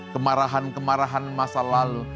kemarahan kemarahan masa lalu